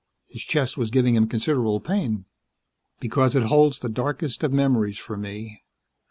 His chest was giving him considerable pain. "Because it holds the darkest of memories for me.